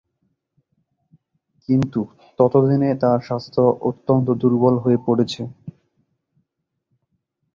কিন্তু ততদিনে তার স্বাস্থ্য অত্যন্ত দুর্বল হয়ে পড়েছে।